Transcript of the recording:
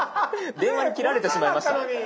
電話に切られてしまいました。